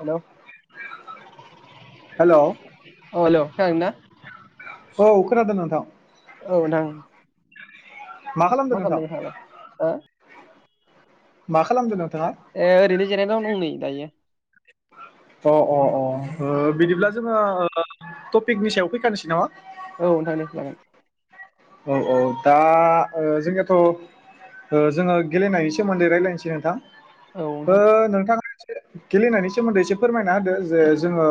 Hello. Hello औ अ hello. खोनादों ना? औ खोनादों नोंथां औ नोंथां मा खालामदों नोंथां? मा खालामदो नों ए ओरैनो जिरायना दं नै । दायो [unintelligible] अ अ ओ बिदिब्ला औ जोङो ओ टपिकनि सायाव फैखानोसै नामा? औ नोंथां दे जागोन । औ औ दा ओ जोंनियाथ' ओ जोङो गेलेनायनि सोमोन्दै रायज्लायनोसै नोंथां औ । नोंथां ओ नोंथाङा गेलेनायनि सोमोन्दै एसे फोरमायना होदो जे जोङो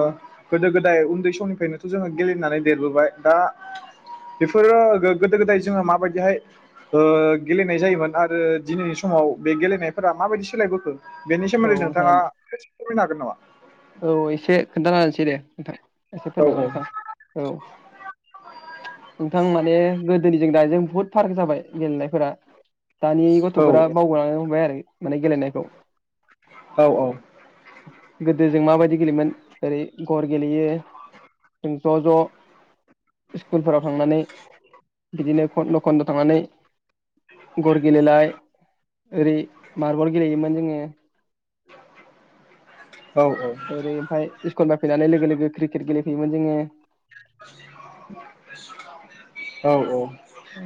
गोदो गोदाय उन्दै समनिफ्रायनोथ' जोङो गेलेनानै देरबोबाय दा बेफोरो गोग गोदो गोदाय जोङो माबायदिहाय ओ गेलेनाय जायोमोन आरो दिनैनि समाव बे गेलेनायफोरा माबायदि सोलायबोखो? बेनि औ सोमोन्दै नोंथां नोंथाङा दे फोरमायनो हागोन नामा? औ एसे खोन्थानाहोनोसै दे नोंथां । एसे औ फोरमायलांनोसै आं औ नोंथां माने गोदोनिजों दानिजों फाराक जाबाय गेलेनायफोरा दानि गथ'फोरा औ बावगारलांनो हमबाय आरो । माने गेलेनायाखौ औ औ गोद दो जों माबायदि गेलेयोमोन ओरै गर गेलेयो जों ज' ज' स्कुलफोराव थांनानै बिदिनो खन्द' खन्द' थांनानै गर गेलेलाय ओरै मारबल गेलेयोमोन जोङो । औ ओरै ओमफ्राय स्कुल निफाय फैनानै लोगो लोगो क्रिकेट गेलेफयोमोन जोङो । औ औ।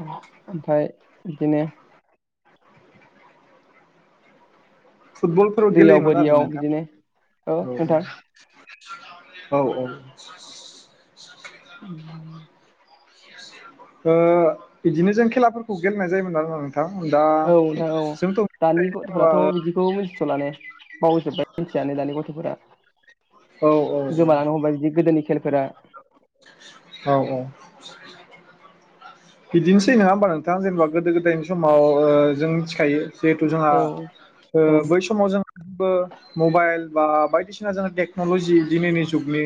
ओ ओमफ्राय बिदिनो फुटबलफोर दैयाव गेलेयोमोन आरो बोरियाव नोंथां? बिदिनो औ औ औ औ उम ओ बिदिनो जों खेलाफोरखौ गेलेनाय जायोमोन आरो [unintelligible] औ नोंथां औ दानि जेनेबा गथ'फोराथ' औ बिदिखौ मिथि लानो बावजोबबाय मोनथियानो दानि गथ'फोरा औ औ । गोमालांनो हमबाय बिदि गोदोनि खेलफोरा औ औ। [inaudible] बिदिनोसै नङा होमबा नोंथां? जेनेबा गोदो गोदायनि समाव जों मिथिखायो। जिहेथु जोंहा औ ओ औ बै समाव जों बो मबाइल बा बायदिसिना जों टेक्नलजि दिनैनि जुगनि।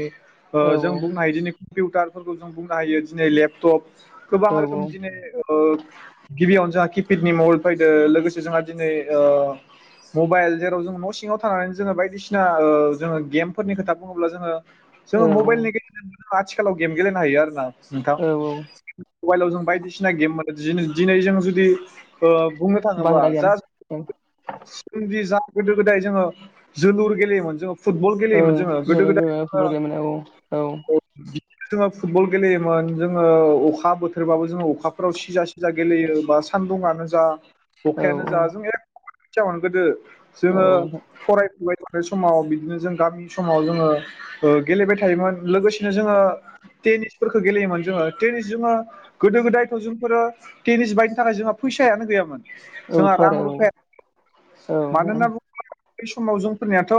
ओ औ जों बुंनो हायोदिनि कम्पिउटारफोरखौ जों बुंनो हायो दिनै लेपटप औ बाहर खोमजिनो गिबियावनो जोंहा किपेडनि मबाइल फैदों लोगोसे जोंहा दिनै मबाइल जेराव जों न' सिङाव थानानै जोङो बायदिसिना जोङो गेमफोरनि खोथा बुङोब्ला जोङो जोङो औ औ मबाइलनि गेजेरजों आथिखालाव गेम गेलेनो हयो आरो ना। नोंथां औ औ मबाइलाव जों गेम मोनदों दिनै दिनै जों जुदि ओ बुंनो थाङोबा बाहेरा गेम जा गोदो गोदाय जोङो जोलुर गेलेयोमोन जोङो। फुटबल औ गेलेयोमोन जोङो गोदो गोदाय फुटबल गेले औ औ। जोङो फुटबल गेलेयोमोन जोङो अखा बोथोरबाबो जोङो अखाफोराव सिजा सिजा गेलेयो बा सान्दुङानो जा औ अखायानो जा जों एख गोदो औ जोङो फरायफु नाय समाव बिदिनो जों गामि समाव जोङो गेलेबाय थायोमोन, लोगोसेनो जोङो टेनिसफोरखौ गेलेयोमोन जोङो टेनिस जोङो गोदो गोदायथ' जोंफोरो टेनिस बायनो थाखाय जोंहा फैसायानो गैयामोन। जोंहा औथ' रां आरो रुफाया औ बै समाव जोंफोरनियाथ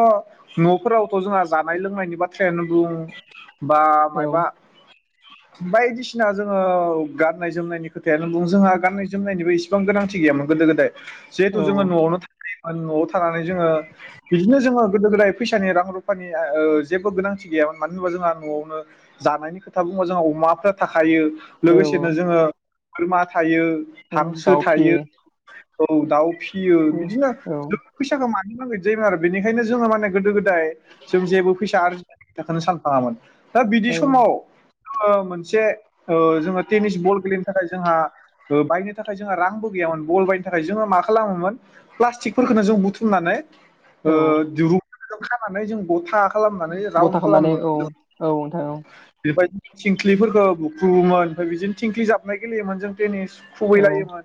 नफोरावथ जोंहा जानाय लोंनायनि बाथ्रायानो बुं बा मायबा बायदिसिना जोंङो गाननाय जोमनायनि खोथायानो बुं जोंहा गाननाय जोमनायनिबो इसिबां गोनांथि गैयामोन गोदो गोदाय जिहेथु औ जोङो नआवनो था नआव थानानै जोंङो बिदिनो जोंङो गोदो गोदाय फैसानि रां रुफानि जेबो गोनांथि गैयामोन मानो होनबा जोंहा न'आवनो जानायनि खोथा बुंबा जोंहा अमाफ्रा थाख हायो औ औ लोगोसेनो जोंङो बोरमा थायो औ हांसो दाउ थायो फियो औ दाउ फियो बिदिनो औ दों फैसाखौ मा [unintelligible] जायोमोन आरो बेखायनो जोङो माने गोदो गोद नै जों जेबो फैसा आरजि थाखायनो सान थांआमोन दा बिदि औ समाव जोंङो मोनसे ओ जोंङो टेनिस बल गेलेनो थाखाय जोंहा ओ बायनो थाखाय जोंहा रांबो गैयामोन बल बायनो थाखाय जोंङो मा खालामोमोन प्लास्टिकफोरखोनो जों बुथुमनानै ओ औ दुरुं खानानै जों गथा खालामनानै राउन्द गथा खालामो खालामनानै मोन औ जों औ नोंथां बेबायदि थिंख्लिफोरखो बुख्रुबो मोन बिदिनो थिंख्लि जाबनाय गेलेयोमोन जों फिनिस औ औ खुबैलायोमोन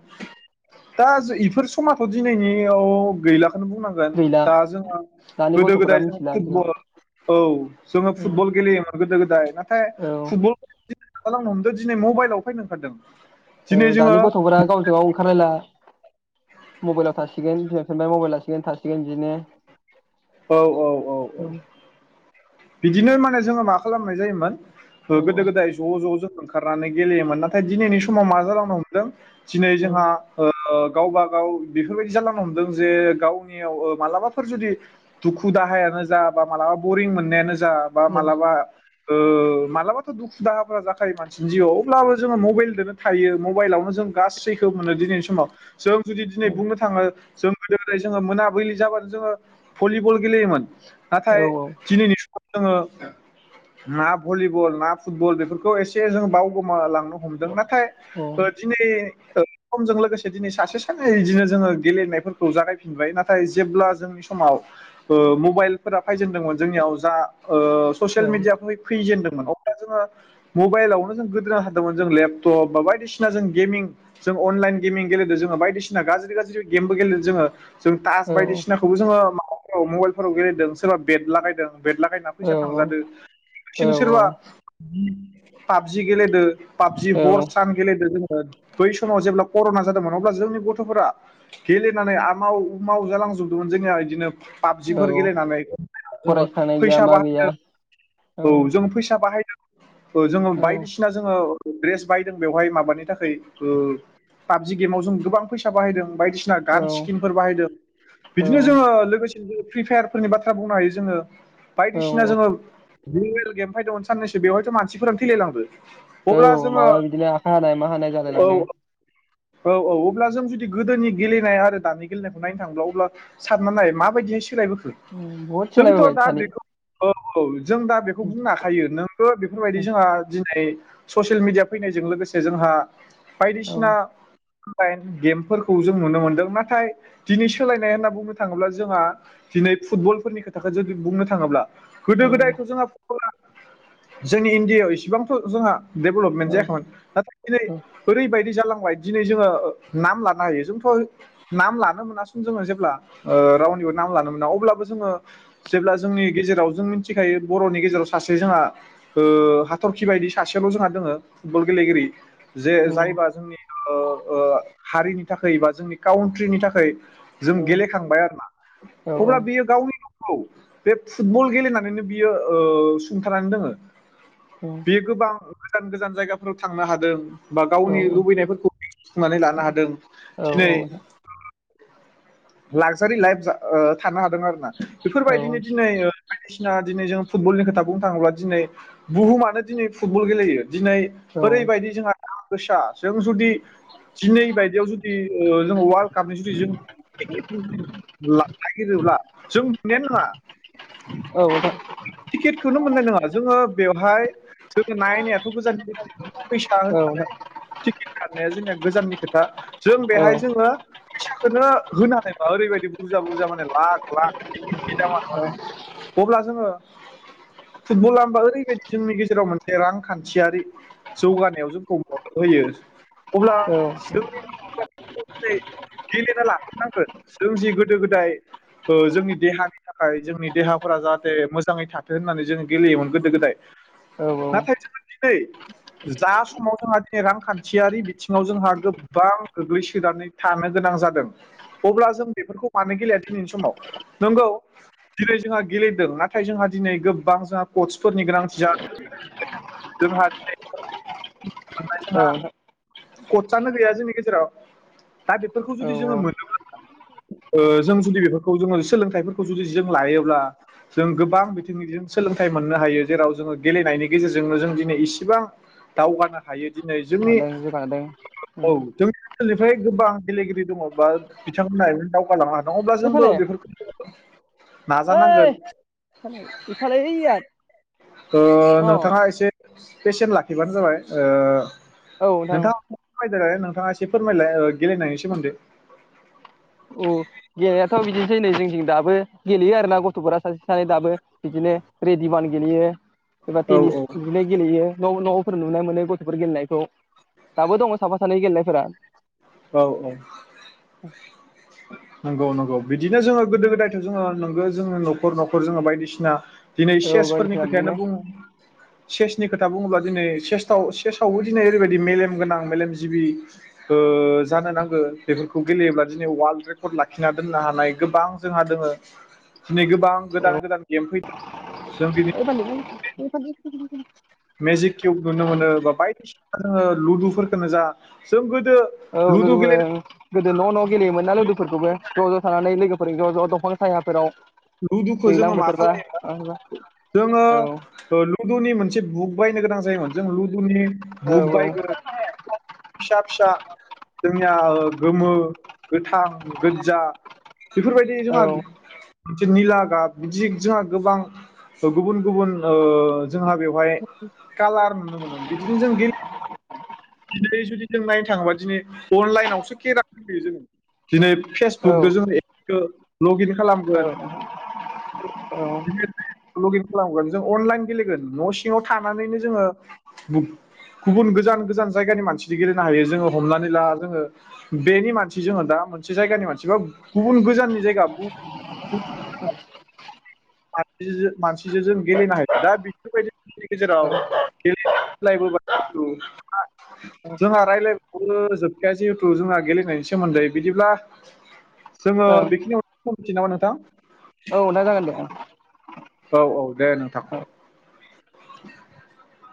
दा इफोर समाथ दि जोंनियाव गैला खोनो बुंनांगोन गैला दा जोंङो दानि गोदो गथ'फोरा गोदाय जों मिथिला बिदिखौ फुटबल औ जोंङो औ फुटबल गेलेयोमोन गोदो गोदाय ना थाइ औ फुटबल खालामनो हमदो दिनै मबाइलाव फैनो ओंखारदों । ओ दानि गथफोरा गावजो गाव ओंखारलायला मबाइलाव थासिगोन बिमा बिफानिफ्राय मबाइल लासिगोन थासिगोन बिदिनो औ औ औ औ बिदिनो माने जोंङो मा खालामनाय जायोमोन होंगो औ दोंगो जायो ज ज ओंखारनानै गेलेयोन ना दिनैनि समाव मा जालांनो हम हेलौ दिनै औ जोंहा ओ गावबा गाव बेफोरबायदि जालांनो हमदों जे गावनियाव ओ मालाबाफोर जुदि दुखु दाहायानो जा बा मालाबा बरिं मोननायानो जा बा औ मालाबा ओ मालाबाथ' दुखु दाहाफोरा जाखायो मानसिनि जिउआव, अब्लाबो जोङो मबेल दोनो थायो मबाइलावनो जों गासैखो मोनो दिनैनि समाव जों जुदि दिनै बुंनो थाङो जों गोदो गोदाय जोङो मोनाबिलि जाबानो जोङो भलिबल गेलेयोमोन औ नाथाय दिनैनि स जोङो ना भलिबल ना फुटबल बेफोरखौ एसे जों बावगोमालांदो। हमदों नाथाय औ दिनै समजों लोगोसे दिनै सासे सानै इदिनो जोङो गेलेनायफोरखौ जागायफिनबाय नाथाय जेब्ला जोंनि समाव ओ मबाइलफोरा फायजेनदोंमोन जोंनियाव जा ओ ससियेल औ मिडिया फै-फैजेनदों अब्ला जोङो मबाइलावनो जों गोदोनो हादोंमोन जों लेपटप बा बायदिसिना जों गेमिं जों अनलाइन गेमिं गेलेदों जोङो बायदिसिना गाज्रि गाज्रि गेमबो गेलेदों जोङो। जों तास बायदिसिनाखौबो जों, माबाफोराव मबाइलफोराव गेलेदों सोरबा बेट लागायदों। बेद लागायना फैसा औ थांजादो बिसिनो औ सोरबा। पाबजि गेलेदो। पाबजि हर औ सान गेलेदो जों। बै समाव जेब्ला कर'ना जादोंमोन अब्ला जोंनि गथ'फोरा गेलेनानै आम माव उमाव जालांजोबदोंमोन। जोंहा बिदिनो। पाबजिफोर औ गेलेनानै जोङो फरायनो थांनाय गैया फैसा मा गैया बाहायदों औ जोंङो फैसा बाहायदों। जोङो औ बायदिसिना जोङो ड्रेस बाहायदों बेवहाय माबानि थाखाय पाबजि गेमाव जों गोबां फैसा बाहायदों। बायदिसिना औ गान स्किमफोर बाहायदों। औ बिदिनो जोङो लोगोसे फ्रि फायार फोरनि बाथ्रा बुंनो हायो जोङो। बायदिसिना औ जोङो। रियेल गेम फाय दं सानसो बेवहायथ' मानसिफोरानो थैलायलांबो। औ माबा बिदिनो आखाइ हानाय मा हानाय जालाय औ लांदों। औ औ अब्ला जों जुदि गोदोनि गेलेनाय आरो दानि गेलेनायखौ नायनो थांब्ला अब्ला साननानै नाय माबायदि सोलायबोखो बहुद सोलाय जोंथ' दा बेखौ औ औ जों दा बेखौ बुंनो हाखायो नोंगो बेफोरबायदि जोंहा दिनै ससियेल मिडिया फैनायजों लोगोसे जोंहा औ बायदिसिना अनलाइन गेमफोरखौ जों नुनो मोनदों नाथाय दिनै सोलायनाय होननाय बुंनो थाङोब्ला जोंहा दिनै फुटबलफोरनि खोथाखौ जुदि बुंनो थाङोब्ला औ गोदो गोदायथ' जोंहा जोंनि इण्डिया आव इसेबांथ' जोंहा डेभेलपमेन्ट औ जायामोन नाथाय दिनै ओरैबायदि जालांबाय दिनै जोङो नाम लानो हायो जोंथ नाम लानो मोना सन जोङो जेब्ला ओ रावनिबो नाम लानो मोना अब्लाबो जोङो जेब्ला जोंनि गेजेराव जों मिथिखायो बर'नि गेजेराव सासे जोंहा ओ हाथरखि बायदि सासेल जोंहा दोङो फुटबल गेलेगिरि जे औ जायबा जोंनि ओ ओ हारिनि थाखाय बा जोंनि काउन्ट्रिनि थाखाय जों औ गेले थांबाय आरोमा औ अब्ला बियो गावनि औ बे फुटबल गेलेनानैनो बियो ओ सुंथानानै दोङो बे गोबां गोजान गोजान जायगाफोराव थांनो हादों बा गावनि लुबैनायफोरखौ बि सुफुंनानै लानो हादों औ दिनै लाक्जारि लाइफ जा ओ थानो हादों आरोना औ बेफोरबायदिनो दिनै ओ बायदिसिना दिनै जों फुटबलनि खोथा बुंनो थाङोब्ला दिनै बुहुमानो दिनै फुटबल गेलेयो। दिनै औ ओरैबायदि जोंहा फैसा जों जुदि दिनै बायदियाव जुदि ओ जों अवाल्ड कापनि जुदि जों ला नागिरोब्ला जों मोननायानो नङा टिकेटखौनो मोननाय नङा जोङो बे बेवहाय जो नायनायाथ गोजाननि फैसा नोंथां औ नोंथां होननानै टिकेट खारनाया जोंनिया गोजाननि खोथा जों औ बेहाय जोङो फैसा ओरैनो होनो हानाय ओरैबायदि बुरजा बुरजा माने लाख लाख टिकिटनि दामानो माने अब्ला जोङो फुटबला होमबा ओरैबायदि जोंनि गेजेराव मोनसे रांखान्थियारि जौगानायाव जोंखौ मदद होयो अब्ला जोंनि नै गेलेनो लाफिनांगोन जों जि गोदो गोदाय ओ जोंनि देहानि थाखाय जोंनि देहाफोरा जाहाथे मोजाङै थाथों होननानै जोंङो गेलेयोमोन गोदो गोदाय औ नाथाय जोङो दिनै जा समाव जोंहा दिनै रांखान्थियारि बिथिङाव जोंहा गोबां गोग्लैसोनानै थानो गोनां जादों अब्ला जों बेफोरखौ मानो गेलेया दिनैनि समाव नोंगौ दिनै जोंहा गेलेदों नाथाय जोंहा दिनै गोबां जा क'तसफोरनि गोनांथि जा [inaudible] औ क'च आनो गैया जोंनि गेजेराव दा बेफोरखौ जुदि जोङो औ मोनोब्ला ओ जों जुदि बेफोरखौ जोङो सोलोंथाइफोरखौ जुदि जों लायोब्ला जों गोबां बिथिंनि सोलोंथाइ मोननो हायो जेराव जोङो गेलेनायनि गेजेरजोंनो जों दिनै इसिबां दावगानो हायो दिनै जोंनि हादों जौगादों औ जोंनि ओनसोलनिफ्राय गोबां गेलेगिरि दङ बा बिथांमोना ओरैनो दावगालाङा नङाब्ला जोंबो ओइफाले बेफोरखौ नाजानांगोन। ओइ [unintelligible] ओ अ नोंथाङा एसे पेसेन्ट लाखिबानो जाबाय ओ औ नोंथां नोंथाङा [unintelligible] नोंथाङा एसे फोरमायलाय गेलेनायनि सोमोन्दै। औ गेलेनायाथ बिदिनोसै नै जों दाबो गेलेयो आरो ना गथफोरा सासे सानै दाबो बिदिनो रेडिबान गेलेयो। सोरबा औ टेनिस औ बुनाय गेलेयो। न' न'फोर नुनो मोनो गथ'फोर गेलेनायखौ दाबो दङ साफा सानै गेलेनायफोरा। औ औ नंगौ नंगौ बिदिनो जोङो गोदो गोदायथ' जोङो नंगौ जोङो नखर नखर जोङो बायदिसिना दिनै औ सेसफोरनि बायदिसिना खोथायानो बिदिनो बुं। सेसनि खोथा बुङोब्ला दिनै सेसटाव सेसावबो दिनै ओरैबायदि मेलेम गोनां मेलेमजिबि ओ जानो नांगो बेफोरखौ गेलेयोब्ला दि दिनै अवाल्ड रेकर्ड लाखिनानै दोननो हानाय गोबां जोंहा दोङो। दिनै गोबां औ गोदान गोदान गेम फैदों जों दिनि [unintelligible] मेजिक किउब नुनो मोनो बा बायदिसिना रोखोम ङो लुदुफोरखौनो जा जों गोद औ लुदुबो गोदो न-न गेलेयोमोन ना लुदुफोरखौबो ज ज थानानै लोगोफोर फोरजों ज' ज' दंफां सायाफोराव लुदुखौ दैज्लां जोंङो मा बोथोरबा खालायोमोन औ जोंङो औ लुदुनि मोनसे बुक बायनो गोनां जायोमोन जों लुदुनि औ बुक औ औ बायगोन फिसा-फिसा। जोंनिया गोमो गोथां गोज्जा बेफोरबायदि औ जोंहा मोनसे निला गाब बिदि जोंहा गोबां गुबुन-गुबुन ओ जोंहा बेवहाय कालार नुनो मोनोन बिदिनो जों गेले दिनै जुदि जों नायनो थांङोबा दिनै अनलाइनावसो खेला गेलेयो जोंङो। दिनै औ फेसबुकदो जोंङो एपसखौ लगिन खालामगोन। औ लगिन खालामगोन जों अनलाइन गेलेगोन न सिङाव थानानैनो जोंङो गुबुन गोजान गोजान जायगानि मानसि गेलेनो हायो जोंङो हमनानै ला जोंङो बेनि मानसि जोंङो दा मोनसे जायगानि मानसि बा गुबुन गोजाननि जायगा [unintelligible] मानसिजों जों गेलेनो हायो दा बेफोरबायदिनि गेजेराव गेलबो जोंहा रायलायबो जोबखाया जिहेथु जोंहा गेलेनायनि सोमोन्दै बिदिब्ला जोंङो औ बेखिनियाव [inaudible] नोंथां औ नोंथां जागोन दे। औ औ दे नोंथां। [inaudible]